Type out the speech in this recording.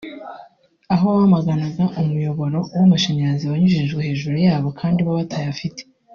aho bamaganaga umuyoboro w’amashanyarazi wanyujijwe hejuru yabo kandi bo batayafite